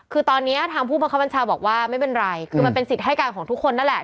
คือตอนนี้ทางผู้บังคับบัญชาบอกว่าไม่เป็นไรคือมันเป็นสิทธิ์ให้การของทุกคนนั่นแหละ